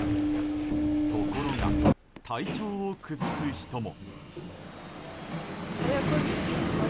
ところが、体調を崩す人も。